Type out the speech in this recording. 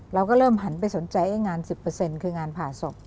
เราก็เริ่มหันไปสนใจงาน๑๐คืองานผ่าศพ